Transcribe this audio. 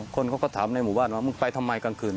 คนเขาก็ถามในหมู่บ้านว่ามึงไปทำไมกลางคืน